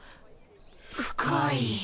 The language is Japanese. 深い。